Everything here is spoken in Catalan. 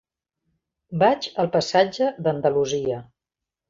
Vaig al passatge d'Andalusia.